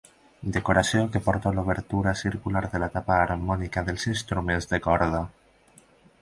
Decoració que porta l'obertura circular de la tapa harmònica dels instruments de corda.